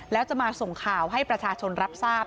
แล้วจะมาส่งข่าวให้ประชาชนรับทราบ